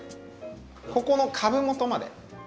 ここの株元まで。